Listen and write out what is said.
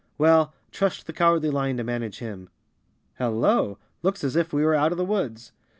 "Well, trust the Cowardly Lion to manage him. Hello! Looks as if we were out of the woods."